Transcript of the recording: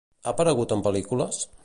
Ha aparegut en pel·lícules?